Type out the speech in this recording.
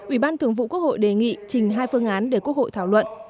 ủy ban thường vụ quốc hội đề nghị trình hai phương án để quốc hội thảo luận